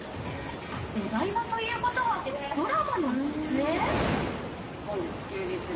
［お台場ということはドラマの撮影？］